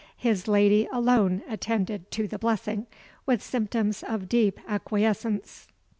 His lady alone attended to the blessing, with symptoms of deep acquiescence.